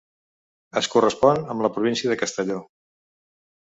Es correspon amb la província de Castelló.